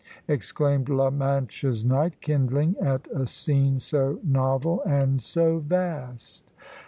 exclaimed "La Mancha's knight," kindling at a scene so novel and so vast!